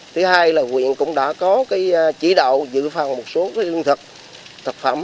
thứ hai là quyện cũng đã có chỉ đạo giữ phòng một số lương thực thực phẩm